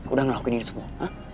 udah ngelakuin ini semua